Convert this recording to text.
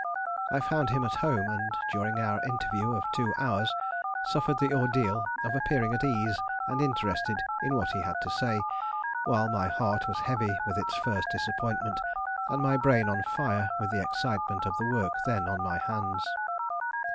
I found him at home and, during our interview of two hours, suffered the ordeal of appearing at ease and interested in what he had to say, while my heart was heavy with its first disappointment and my brain on fire with the excitement of the work then on my hands.